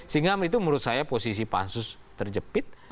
sehingga itu menurut saya posisi pansus terjepit